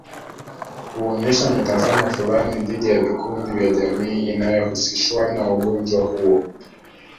Kuonyesha mitazamo fulani dhidi ya vikundi vya jamii inayohusishwana ugonjwa huu